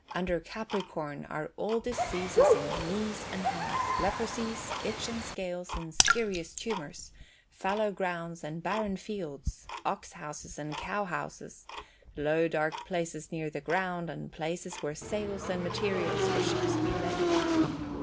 Under Capricorn are all diseases in the knees and hams, leprosies, itch and scales and schirrous tumors, fallow grounds and barren fields, ox houses and cow houses, low dark places near the ground, and places where sails and materials for ships be laid."